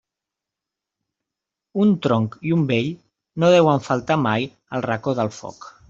Un tronc i un vell no deuen faltar mai al racó del foc.